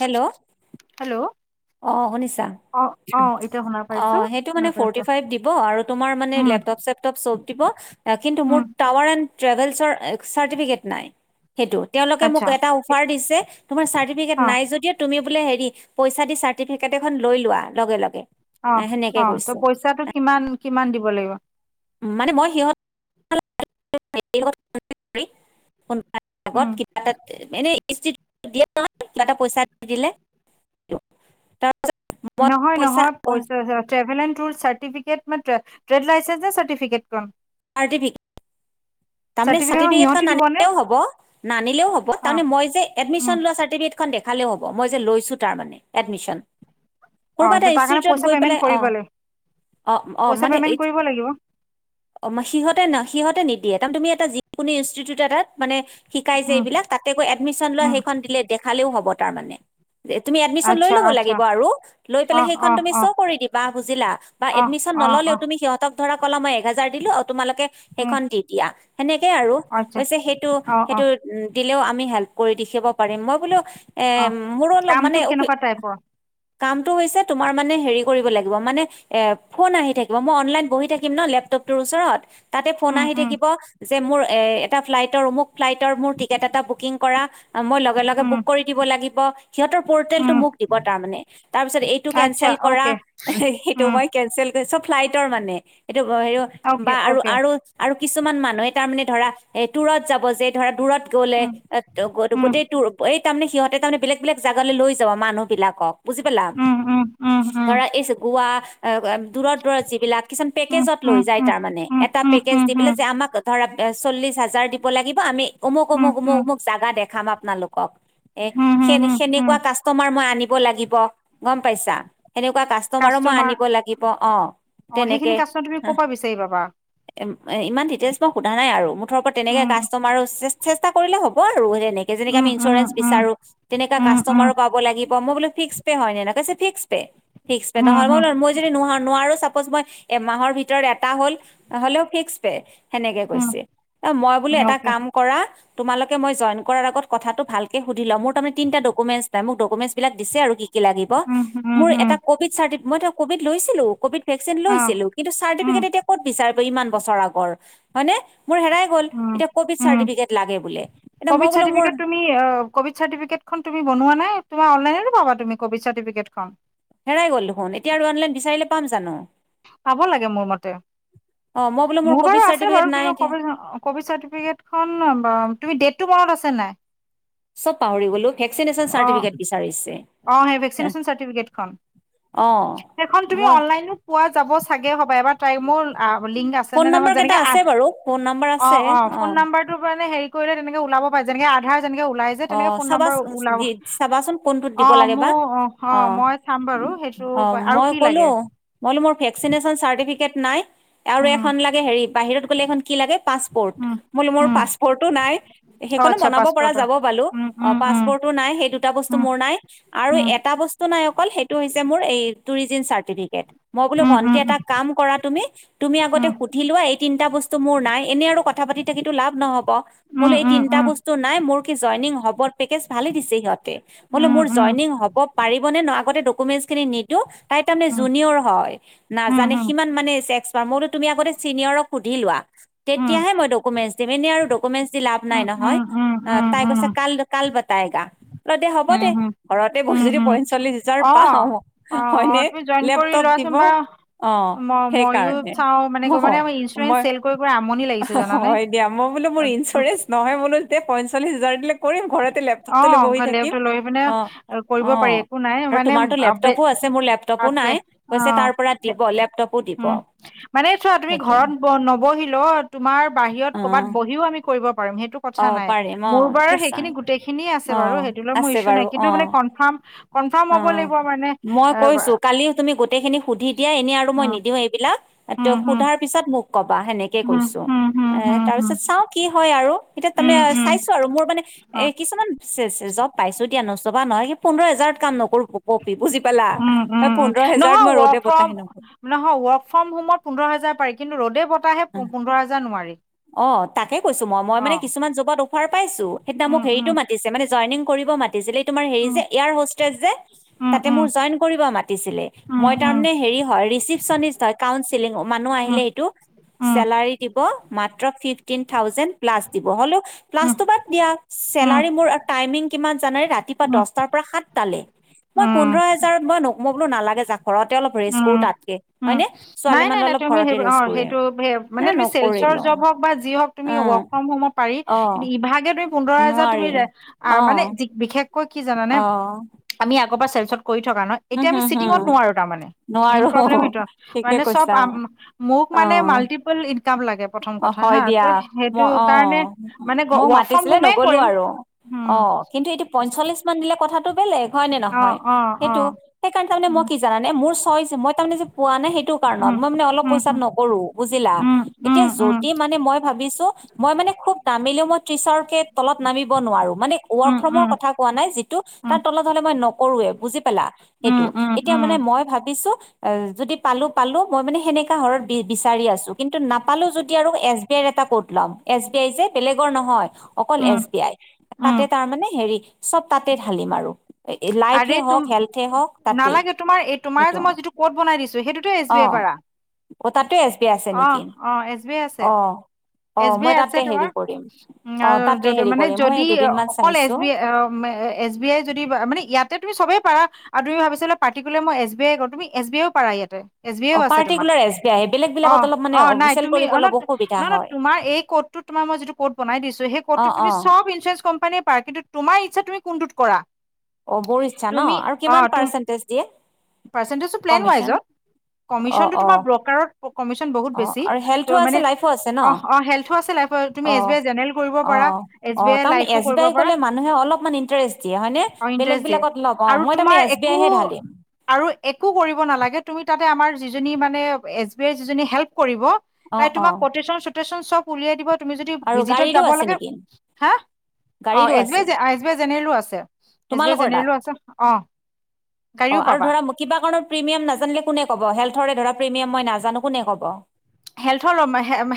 Hello hello! অ শুনিছা? অ অ এতিয়া শুনা অ পাইছো সেইটো শুনা মানে পাইছো ফৰ্টি ফাইভ দিব আৰু তোমাৰ মানে উম লেপটপ- চেপটপ চব দিব কিন্তু মোৰ উম টাৱাৰ এণ্ড ট্ৰেভেলছৰ চাৰ্টিফিকেট নাই। সেইটো, তেওঁলোকে মোক আচ্ছা এটা অফাৰ দিছে তোমাৰ চাৰটিফিক অ নাই যদিও তুমি বোলে হেৰি পইছ। চাৰ্টিফিকেট এখন লৈ লোৱা লগে লগে। অ এ, সেনেকে অ ত কৈছে পইচাটো কিমান কিমান দিব লাগিব? মানে মই সিহঁত। কোনবা লগত উম কিবা এটা। এনেই দিয়ে ন তাতে পইচা দিলে। মই নহয় পইচা নহয় পইচা ট্ৰেভেল এন তোৰ চাৰ্টিফিকেট বাট। টৰেড লাইচেন নে চাৰটিফিকেটখন। আৰ্টিফিক। তাৰমানে চাৰ্টিফিকেট সিহঁতি চাৰটিফিকেটখন দিবনে নানিলেও হ'ব নানিলেও হ'ব অ তাৰে মই যে উম এডমিশন লোৱা চাৰ্টিফিকে। দেখালেও হ'ব মই যে লৈছো তাৰ মানে এডমিশন। অ ক'বা এটা তাৰ কাৰণে ইষ্টিউটত পইচা গৈ পেমেন্ট পেলাই অ কৰিব লাগিব অ অ পইচা মানে পেমেন্ট এ। কৰিব লাগিব অ সিহঁতে ন সিহঁতে নিদিয়ে তাৰ তুমি এটা যিকোনো ইনষ্টিটিউট এটা মানে। শিকাইছে উম এইবিলাক তাতেকৈ এডমিশন লোৱা উম সেইখন দিলে দেখালেও হ'ব তাৰ মানে। তুমি এডমিশন লৈ আচ্ছা ল'ব আচ্ছা লাগিব আৰু লৈ অ পেলাই অ সেইখন তুমি অ শ্ব' কৰি দিবা বুজিলা বা অ এডমিশন। অ অ নললেও তুমি সিহঁতক ধৰা কলা মই এক হেজাৰ দিলো আৰু তোমালোকে উম সেইখন দি দিয়া। সেনেকেই আৰু আচ্ছা কৈছে, সেইটো অ অ সেইটো দিলেও আমি হেল্প কৰি দেখিব পাৰিম মই বোলো। এ অ মোৰল কামটো মানে অফি। কেনেকুৱা টাইপৰ কামটো হৈছে তোমাৰ মানে হেৰি কৰিব লাগিব মানে এ ফোন আহি থাকিব মই অনলাইন বহি থাকিম ন লেপ। তোৰ ওচৰত তাতে উম আহ উম থাকি। যে মোৰ এ এটা ফ্লাইটৰ অমুক ফ্লাইটৰ মোৰ টিকেট এটা বুকিং কৰা। মই লগে লগে উম বুক কৰি দিব লাগিব। সিহঁতৰ পৰ্টেলটো উম মোক দিব তাৰমানে, তাৰপিছত এইটো কেনচেল কৰা সেইটো মই কেনচেল কৰিছোঁ ফ্লাইটৰ মানে এইটো হ বা আৰু আৰু কিছুমান মানুহে তাৰ মানে ধৰা এ দূৰত যাব যে ধৰা দূৰত গ'লে এ ত গোটেই ত এই তাৰমানে সিহঁতে তাৰমানে বেলেগ বেলেগ জোগালৈ লৈ যাব মানুহ বিলাকক বুজি পালা ধৰা এই গোৱা। দূৰৰশত দূৰত যিবিলাক কিছুমান পেকেজত লৈ যায় তাৰমানে এটা পেকেজ দি পেললে যে আমাক ধৰা চল্লিছ হাজাৰ দিব লাগিব আমি। অমুক অমুক অমুক অমুক জোগা দেখাম আপোনালোকক এ হুম, সে হুম, হুম, হুম। সেনেকুৱা কাষ্টমাৰ মই আনি। আনিব লাগিব গম পাইছা সেনেকুৱা কাষ্টমাৰো মই কাষ্টমাৰ আনিব লাগিব। অ অ সেইখিনি কষ্ট তুমি তেনেকে ক' পৰা বিচাৰি পাবা। এম- এ ইমান ডিটেইলচ মই সোধা নাই আৰু ম মুঠৰ ওপৰত তেনেকে উম, কাষ্টমাৰো চেষ্টা কৰিলে হ'ব। আৰু নেকেনেে উম, আমি উম, ইঞ্চুৰেঞ্চ উম, বিচাৰো তেনেকা উম, উম, কাষ্টমাৰো পাব লাগিব মই বো ফিক্সে হয় নে ফি। ফিচকে হুম, নহয় মই হুম, মই যদি ন নোৱাৰো চ। এমাহৰ ভিতৰত এটা হ'ল হলে্ও ফিকচ পে। সেনেকে কৈছে হুম, অ মই বোলো এটা অ'কে। কাম কৰা। তোমালোকে মই কৰাৰ আত কথাটো ভালে সুধি ল মোৰ তাৰে তিনি ডুেন্ট নাই মোক ডকুমেণ্টছ বিলাক দিছে। আৰু কি-? কি কি লাগিব উম, উম, মোৰ হুম, এটা কবিট চাৰ্টিফিকেট মই ত্ ক'ভিড লৈছিলো ক'ভিড ভেকচিন অ', লৈছিলোঁ কিন্তু উম, চাৰ্টফিকট এতিয়া ক'ত বিচাৰিব ইমান। বছৰ আগৰ হয়নে। মোৰ হেৰাই গল উম, এতি কভিড উম। চাৰটি এ মই ক'ভিড বোল মোৰ। চাৰ্টিফিকেট তুমি অ' ক'ভিড চাৰ্টিফিকেটখন তুমি বনোৱা নাই তুমি অনলাইনেো পাব তুমি কভিড চাৰ্টিফিকেটখন। হেৰাই গল দেখোন এতিয়া আৰু অনলাইন বিচাৰিলে পাম জানো। পাব লাগে মোৰ মতে। অ মই বোলো মোৰ বাৰু ক'ভিড আছে চাৰ্টিফিকেট বাৰু- নাই কিন্তু এতিয়া কবিট চাৰ্টিফিকেট খনৰ নাম বাৰ তুমি ডেটটো মনত আ। চব পাহৰি গলো ভেকচিনেশচন অ', চাৰ্টিফিকেট বিচাৰিছে। অ সেই ভেকচিন মিচন খন অ সেই খন তুমি মই অনলাইনো পোৱা যাব। চাব চাগে হব এবাৰ টাই মোৰ আ লিংগ আছে ফোন নে নম্বৰ কেইটা মানে আছে বাৰু ফোন নম্বৰ আছে অ-ফোন অ নাম্বাৰটো কাৰণে সেৰি কৰিলে তেনেকে ওলাব পায় যেনেকে আধাৰ যেনেকে ওলাই অ তেনেকে ফোন চাবা নম্বৰ ওলাব। চাবাচোন কোনটোত অ দিব লাগে বা মোৰ অ অ মই চাম বাৰু সেইটো আৰু কি লাগে। হলো মোৰ ভেকচিন নিচন চাৰ্টিফিকেট নাই আৰু এই উম, খন লাগে হেৰি বাহিৰত গলে কি লাগে পাছপৰ্ট উম, মো মোৰ উম, পাছপৰ্টো নাই অ', সেইখনো আচ্ছা বনাব পৰা পাছপৰ্ট অ', যাব। উম, উম, পাচপোৰ্ট উম, নাই সেই দুটা বস্ত মোৰ নাই আৰু উম, এটা বস্ত নাই অকল সেই টো হৈছে মোৰ টু ৰিজেণ্ট চাৰ্টিফিকেট মই বোলো উম, উম, ভন্টী উম, কাম কৰা তুমি তুমি আগতে উম, সুধি লোৱা এই তিনিটা বস্তু মোৰ নাই এনে আৰু কথা পাতি থাকো লাভ নহ'ব। মো উম, এই উম, তিনিটা বস্তু নাই মোৰ কি জয়নিং হ'ব পেকেটত ফালি দিছে সিহঁতে বোলো উম, মোৰ উম, উম, জয়নিং হ'ব পাৰিব নে নো আগতে ডকুমেণ্ট নিদো তাই তাৰ মানে উম জোনিয়াৰ হয়। উম, নাজানে উম, সিমান মান এক মইতো তুমি আগতে চিনিয়ৰক সুধি লোৱা তেতিয়া হে মই ডকমেণ্ট দিম এনেই আৰু ডকমেজ লাভ নাই উম, নহয় উম, উম, উম, তাই উম, কৈছে কাল কাল বতাই গা অ দে হ'ব উম, দে উম, ঘৰতে বহি উম, যদি উম, পইচা চল্লিশ হাজাৰ পা অ', অ', অ', হয়নে তুমি জইন কৰি লেপটপ লোৱাচোন দিব। বা অ ম-ময়ো সেইকাৰণে চাও মানে অ গৈ মানে আমাৰ ইঞ্চুৰেঞ্চ মই চেল কৰি কৰি আমনি লাগিছে জানানে। হয় দিয়া মোক বোলোঁ মোৰ ইঞ্চুৰেঞ্চ নহয় বোলো পঞ্চল্লিছ হাজাৰ দিলে কৰিম ঘৰে অ ঘলে লেপটপ লৈ আহি পিনে কৰিব অঁ পাৰি একো নাই আৰু মানে তোমাৰতো আ লেপটপো আছে মোৰ লেপটপো আছে নাই অ কৈছে তাৰ পৰা দিব লেপটপো দিব উম মানে চোৱা তুমি সেইটো ঘৰত নবহি তোমাৰ বাহিৰত কৰ'বাত অঁ বহিও আমি কৰিব পাৰিম সেইটো কথা অঁ নাই পাৰিম অঁ মোৰ বাৰ এতিয়া চাওঁ সেইখিনি গোটেই খিনিয়ে আছে বাৰু অঁ সেইটো লৈ মোৰ আছে ইচ্ছুক বাৰু নাই কিন্তু অঁ মানে কনফাৰ্ম কনফাৰ্ম হ'ব লাগিব মানে এ পালো কালি তুমি গোটেই খিনি সুধি দিয়া এনে আৰু মই নিদিও এইবিলাক ত উম উম সুধাৰ পিছত মোক ক'বা। সেনেকে হুম কৈছো হুম হুম এ হুম তাৰ হুম পিছত চাওঁ কি। হয় আৰু এতিয়া তাৰমানে হুম উম উম চাইছো আৰু মোৰ মানে অ এ কিছুমান। জব পাইছো দিয়া নবাহয় স পোন্ধৰ হাজাৰত কাম নকৰো বুজি পালা উম উম মই উম পোন্ধৰ হেজাৰত নহয় মই ৰ'দে ৱৰ্ক ফ্ৰম বতাহে নকৰো নহয় ৱৰ্ক ফ্ৰম হোমত পোন্ধৰ হাজাৰ পাৰি কিন্তু ৰ'ডে ব একেৰাহে পোন্ধৰ হাজাৰ নোৱাৰি। অ তাকে কৈছো মই মই অ মানে কিছুমান জবত অফাৰ পাইছো, সেইদিনা মোক উম সেৰিটো উম মতিছে মানে যইনিং কৰিব মাতিছিল এই তোমাৰ হেৰি উম যে ইয়াৰ হষ্টেজ যে উম তাতে উম মোৰ জইন কৰিব মাতিছিলে উম মই তাৰে উম হ হয় চিপনিষ্ট হয় কাউন্সেলিং মানুহ আহিলে এইটো উম চেলাৰী দিব মাত্ৰ ফিফটিন থােওজেন প্লাছ দিব হলেও উম উম প্লাছটো বাদ দিয়া চেলাৰী মোৰ টাইমিং কিমান জানে ৰাতিপুৱা উম দহটাৰ পৰা সাতটালে মই উম পোন্ধৰ হেজাৰ মই ম বো নালাগে জা ঘৰতে অলপ ৰেষ্ট উম কৰো তাতকে হয়নে নাই ছোৱালীমান নাই নাই অলপ তুমি ঘৰতে অ ৰেষ্ট কৰিম সেইটো এ মানে চেলছৰ যি নকৰিলোঁ হওক বা যি হওক তুমি অঁ ৱকফম পাৰি অ ই বিভাগে তুমি পোন্ধৰ হাজাৰ নোৱাৰি তুমি অ মানে বিশেষকৈ কি জানে অ আমি আগৰ পৰা চেলছত কৰি থকা ন উম এতিয়া আমি হম চিটিঙত হম নোৱাৰোঁ তাৰমানে মেইন নোৱাৰো প্ৰব্লেম সেইটো আৰু ঠিকে মানে চব কৈছা মোক মানে অ মাল্টিপল ইনকাম লাগে প্ৰথম অ কথা হা হয় দিয়া ত' সেইটো মই অ কাৰণে মানে মোক ৱৰ্ক ফ্ৰম মাতিছিলে হোমেই নগলো কৰিম আৰু উম, অ কিন্তু এইটো পঞ্চল্লিশ মান দিলে কথা বেলেগ হয় নে অ', নহয় অ', সেইটো অ', সেইকাৰণে তাৰে মই উম, কি জানানে মোৰ মই যে পোৱা নাই সেইটো কাৰণত উম, মই মানে অলপ উম, পইচা উম, নকৰো বুজিলা উম, উম, এতিয়া উম, যদি মানে মই ভাবিছো মই মানে খুব তামিলেও মই তিচৰকে তলত নামিব নোৱাৰোঁ মানে উম, ৱকফমৰ উম, কথা কোৱা নাই যিটো তলত হ'লে মানে কৰোৱে বুজি পালা উম, সেইটো উম, এতিয়া উম। মানে মই ভাবিছো অ যদি পালো পালো মই মানে সেনেকা হৰত বি বিচাৰি আছো কিন্তু নাপ নাপালো যদি আৰু এছ বি আইৰ এটা ক'ত ল'ম এছ বি আই যে বেলেগৰ নহয় অকল উম, এছ বি আই উম, তাতে তাৰমানানে হেৰি চব তাতে ঢালিম আৰু আৰে লাইফে হওক তুম হেল্থে হওক তাতেই নালাগে তোমাৰ এই তোমাৰ এইটো যে মই যিটো ক'ত বনাই দিছো সেইটোতো এছ অ বি আই পাৰা অ তাতো এছ বি আই আছে নেকি? অ', অ', এছ বি আই আছে, অ অ এছ বি মই আই আছে তাতে তোমাৰ হেৰি কৰিম অ তাতে হেৰি মানে কৰিম মই যদি দুদিনমান অকল এছ চাইছো B I S B I যদি মানে ইয়াতে তুমি চবে পাৰা আৰু তুমি ভাবিছিলা পাৰ্টি কুলাৰ মই এছ বি আই কৰো তুমি এছ বি আইও পাৰা ইয়াতে। এছ বি আও অ আছে তোমাৰ পাৰ্টিকুলাৰ এছ বি আই বেলেগ অ বিলাকত অলপ মানে অ নাই চেল তুমি কৰিব অ অলপ অসুবিধা ন হয় তোমাৰ এই ক'ত তোমাৰই যিটো কত বনাই দিছো সেই অ ক'ডত অ তুমি চব ইঞ্চুৰেঞ্চ কোম্পানীয়ে পাৰ কিন্তু তোমাৰ ইচ্ছা তুমি কোনটোত কৰা অ বৰ ইচ্ছা ন তুমি আৰু অ কিমান পাৰ্চেন্টেজ দিয়ে পাৰ্চিনটিজ কমিশন প্লেনৱাইজত। অ', কমিশনটো তোমাৰ অ', ব্ৰ'কাৰত কমিশন বহুত অ', বেছি আৰু ত' হেল্থো আছে মানে লাইফো আছে ন? অ অ হেল্থো আছে ল তুমি এছ বি অ', আই জেনেৰেল কৰিব পাৰা অ', এছ বি আই লাইফো কৰিব পাৰা মান ইন্টাৰেষ্ট দিয়ে হয়নে? অ বেলেগ ইণ্টাৰেষ্ট দিয়ে বেলেত অ আৰু মই তাৰমানে তোমাৰ এছ বি আই একো হে ঢালিম। আৰু একো কৰিব নালাগে তুমি তাত আমাৰ যি জনীয়ে মানে আমাৰ এছ বি আই যি জনীয়ে হেল্প কৰিব, অ', তাই অ', তোমাক [unintelligible] [unintelligible] সব উলিয়াই দিব তুমি যদি আৰু ভিজিত গাড়ীৰো যাব আছে লাগে নেকি? হা অ গাড়ীৰো এছ বি আছে আই এছ বি আই জেনেৰেলো আছে এছ বি আই তোমালোকৰ তাত? জেনেৰেলো আছে অ অ গাড়ীও আৰু পাবা ধৰা কিবা কাৰণৰ প্ৰিমিয়াম নাজানিলে কোনে কব হেল্থৰে ধৰা প্ৰিমিয়াম মই নাজানো কোনে কব? হেল্থৰ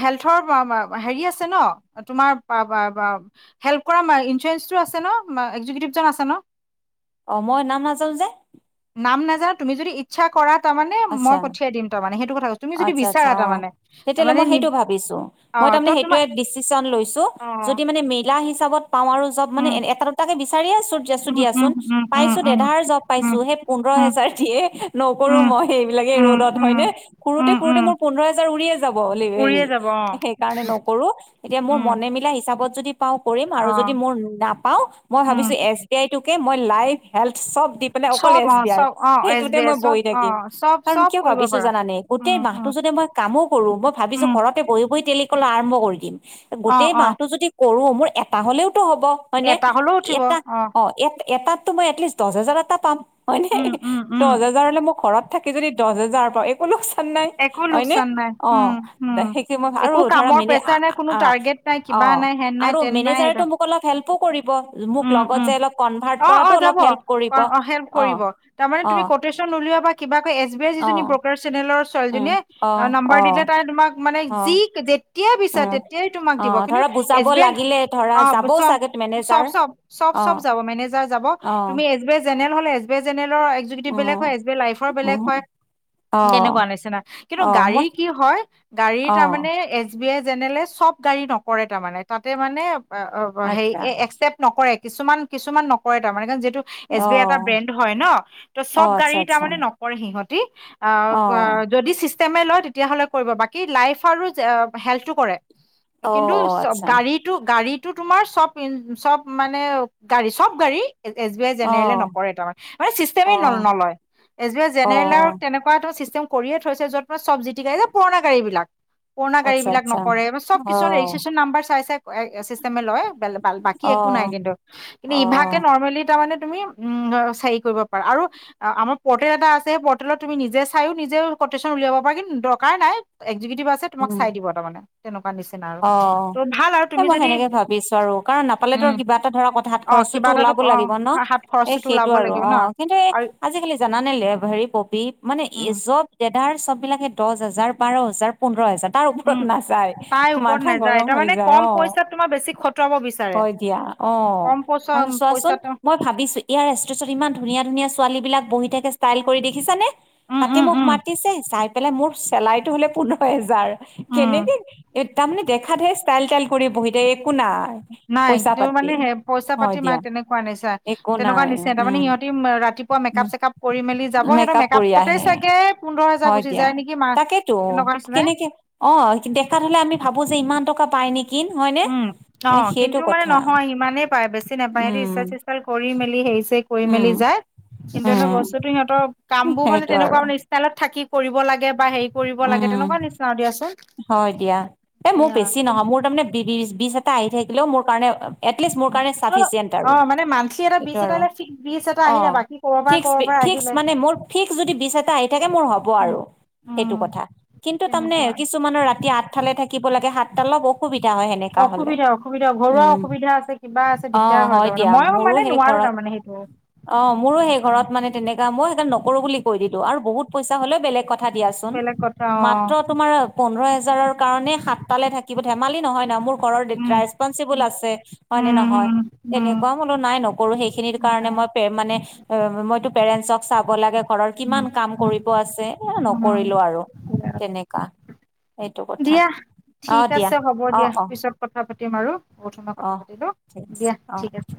হেল্থৰ [unintelligible] হেৰী আছে ন তোমাৰ [unintelligible] হেল্প কৰা ইঞ্চুৰেঞ্চটো আছে ন এক্জিকিউটিভ জন আছে ন অ মই নাম নাজানো যে। নাম নাজানো তুমি যদি ইচ্ছা কৰা তাৰ মানে আচ্ছা। মই পঠিয়াই দিম তাৰমানে সেইটো কথা ক তুমি যদি আচ্ছা আচ্ছা বিচাৰা অ তাৰমানে তেতিয়াহ'লে মই সেইটো ভাবিছো মই তাৰমানে ত তোমাৰ সেইটোৱে দিচিশন লৈছো অ যদি মানে [unintelligible] চাবত পাওঁ আৰু জব মানে উম এটা দুটাকে বিচাৰি আছো উম উম দিয়াচোন উম পাইছো উম দেধাৰ জব পাইছো উম তো হে পোন্ধৰ উম হেজাৰ দিয়ে উম নকৰো উম মই সেইবিলাকে উম ৰ'দত হয় উম নে ফুৰোতে উম ফুৰোতে উম মোৰ পোন্ধৰ হাজাৰ উৰিয়ে যাব পলি হেৰি উৰিয়ে যাব অ সেইকাৰণে নকৰো এতিয়া মোৰ উম মনে মিলা হিচাপত যদি পাওঁ কৰিম আৰু অ যদি মোৰ নাপাওঁ মই। উম ভাৱিছো এচ বি আই মই লাইভ হেল্থ চব দি পেলাই অকল চব এচ অ বি আই চব দিয়াই অ এছ সেইটোতে বি আই মই চব বহি অ থাকিম চব কাৰণ চব কিয় কৰিব ভাবিছো পাৰা জানানে? গোটেই উম মাহতো উম যদি মই কামো কৰো মই ভাবিছো উম ঘৰতে বহি বহি তেলি কলা আৰম্ভ কৰি দিম অ গোটেই অ মাহটো যদি কৰো মোৰ এটা হলেও তো হ'ব হয়নে? এটা হলেও উঠিব এটা অ অহ এ এটাতো মই এটলিষ্ট দহ হাজাৰ এটা পাম হয়নে উম উম উম দহ হাজাৰ হলে মোৰ ঘৰত থাকি যদি দহ হাজাৰ পৰা একো লোকচ চন নাই একো হয়নে? লোকচান নাই উম অহ উম সেইে মই আৰু একো ধৰা কামৰ মেলি প্ৰেচাৰ নাই কোনো [unintelligible] টাৰ্গেট নাই কিবা অহ নাই হেন নাই আৰু তেন নাই সেইটো মেনেজাৰটো মোক অলপ হেল্প উম উম অহ কৰাতো অহ অলপ যাব হেল্প কৰিব অ হেল্প কৰিব, তাৰে অ তু [unintelligible] নলওা বা কিবা এছ বি আই অ যিজন ব্ৰকাৰে [unintelligible] উম ছোলীজনীয়ে অ নম্বাৰ অ দিলে তাই তোমাক মানে অ যি তেতিয়াই বিছা উম তেতিয়াই তোমাক অ দিব কিন্তু ধৰা বুজাব এছ বি আই লাগিলে ধৰা অহ যাবও চ চাগে চব মেনেজাৰ চব চব অ চব যাব মেনেজাৰ যাব অ তুমি এছ বি জেনেৰেল হলে এছ বি জেনেৰেল লৰ এক্সিকুতিভ অ বেলেগ হয়, এছ বি আই লাইফৰ অ বেলেগ হয়। অ তেনেকুৱা নিচিনা কিন্তু অ মই গাড়ীৰ কি হয় গাড়ীৰ অ তাৰমানে এ এচ বি আই জেনেৰেল চব গাডী নকৰে তাৰমানে তাতেমানে আচ্ছা একচেপ্ট নকৰে। কিছুমান কিছুমান নকৰে তাৰমানে তো এছ অ বি আই এটা ব্ৰেণ্ড হয় ন, ত অ চব আচ্ছা গাড়ী আচ্ছা তাৰমানানে নকৰে সিহঁতি। অ যদি চিষ্টেমে লয় তেতিয়াহ'লে কৰিব বাকী লাইফ আৰু হেল্থটো কৰে। অ কিন্তু চব আচ্ছা গাড়ীটো গাড়ীটো তোমাৰ চব বিন চব মানে গাড়ী চব গাড়ী। এছ বি আই অ জেনেৰেলে নকৰে তাৰমানে মানে অ চিষ্টেমে ন নলয় এজ অ জেনেৰেলৰ তেনেকুৱা চিষ্টেম কৰিয়ে থৈছে যত তোৰ চব জি গাড়ী যে পুৰণা গাড়ী বিলাক পুৰণা গাড়ী আচ্ছা বিলাক আচ্ছা নকৰে চব অ কিছুমান ৰেজিষ্ট্ৰেশচন নাম্বাৰ চাই চাই চিষ্টেমে লয় বেলে বা- বাকী অ একো নাই কিন্তু অ ইভাগে নৰ মেলি তোৰ মানে তুমি উম কৰিব পাৰা আৰু আমাৰ পৰ্টেল এটা আছে সেই পৰ্টেলত তুমি নিজে চাইও নিজে তেওঁ কেটেচন উলিয়াব পাৰ কিন্তু দৰকাৰ নাই একজটিভ আছে তোমাক চাই দিব তাৰ মমানে তেনেকুৱা নিচিনা আৰু অহ ত' ভাল আৰু এ তুমি মই যদি সেনেকে ভাবিছো আৰু কাৰণ পালে তোৰ কিবা এটা ধৰা কথা হাত অ কিবা খৰচতো এটাতো ওলাব অ লাগিব ন হাত এ খৰচটোতো সেইটো ওলাব আৰু লাগিব ন অহ কিন্তু এই আৰু আজিকালি জানানে হেৰি পবি মানে উম এই চব দো তাৰ চব বিলাকে দহ হাজাৰ বাৰ হাজাৰ পোন্ধৰ হাজাৰ তাৰ ওপৰত উম নাযায় তাই ওপৰত মথা নাযায় গৰম হৈ তাৰমানে যায় কম অহ পইচাত তোমাৰ বেছি খটুৱাব বিচাৰে হয় দিয়া অহ কম পইচা আৰু চোৱাচোন চোন পইচাটো মই ভাবিছো ইয় ইমান ধুনীয়া ধুনীয়া ছোৱালী বিলাক বহি থাকে ইচটাইল কৰি দেখিছানে উম তাতে উম মোক উম মা ম চেলাইতটো হলে পোন্ধৰ হেজাৰ উম কেনেকে এ দেখা হে ষ্টাইল টাইল কৰি বহি দে একো নাই নাই পইচা তোৰ পাতি মানে সে পইচা পাতি হয় মা দিয়া তেনেকুৱা নিচা একো তেনেকুৱা নাই নিচিনা তাৰমানে উম সিহঁতি ৰাতি ৰাতিপুৱা উম মেকআপ চেকপ কৰি মেলি যাব সিহৰ মেকআপ কৰি আহে মেকআপতেগে পোন্ধৰ হাজাৰ হয় গুচি দিয়া যায় নেকি মা তাকেতো তেনেকুৱা নিচিনাই কেনেকে অহ দেখাত হলে আমি ভাবো যে ইমান টকা পাই নেকি হয়নে এ অহ সেইটো কিন্তু মানে কথা নহয় ইমানেই পায় বেছি নাপায় উম সেটো ইচ্ছা কৰি মেলি সেই চ কৰি উম মেলি যায় কিন্তু এনেও উম বস্তুতটো সিহঁতৰ কামবোৰ মানে সেইটো তেনেকুৱা আৰু মানে ষ্টাইলত থাকি কৰিব লাগে বা হেৰি কৰিব লাগে উম তেনেকুৱা নিচিনাও দিয়া চোনআছে হয় দিয়া এই মোৰ বেছি নহয় মোৰ তাৰমানে বিশ এটা আহি থাকিলেও মোৰ কাৰণে এটলিষ্ট মোৰ কাৰণে চাফিচিয়েণ্ট আৰু অ' মানে মান্থলি এটা সেইটো বিচ আৰু এটা ফিক্স বিচ এটা আহিলে অহ বাকী ক'ৰ পৰা ফ্ৰিচ ক'ৰ পৰা ফিক্স আহিলে। মানে মোৰ ফিক্স যদি বিচ এটা আহি থাকে মোৰ হ'ব আৰু সেইটো উম, কথা কিন্তু তাৰমানে তেনেকুৱা কিছু মানৰ ৰাতি আঠটালে থাকিব লাগে সাতটা অলপ অসুবিধা হয় সেনেকা হলে, অসুবিধা অসুবিধা ঘৰুৱা উম। অসুবিধা আছে, কিবা আছে, অ দিগদাৰ হয় তাৰ মানে। দিয়া মই মোৰো মানে সেই নোৱাৰো ঘৰত তাৰ মানে সেইটো। অ, মোৰো সেই তেনেকুৱা ঘৰত মানে তেনেকা। মই সেইকাৰণে নকৰো বুলি কৈ দিলো আৰু বহুত পইচা হলেও বেলেগ কথা। দিয়াচোন, বেলেগ কথা মাত্ৰ অ' তোমাৰ প হেজাৰৰ কাৰণে সাতটালে থাকিব ধেমালি নহয় নহ। মোৰ ঘৰৰ উম, ৰেচপনচিবল উম, আছে হয় উম, নে নহয় উম, তেনেকোৱা বোলো নাই নকৰো সেইখিনিৰ উম, কাৰণে মই মানে অ মইতো পেৰেন্টচক চাব লাগে ঘৰৰ উম, কিমান কাম আছে এ উম, নকৰিলো আৰু উম, তেনেকোৱা দিয়া ঠিক দিয়া আছে হ'ব অ দিয়া অ পিছত কথা কথা পাতিম আৰু বহুত সময় কথা অ পাতি লওঁ ঠিক আছে দিয়া অ ঠিক আছে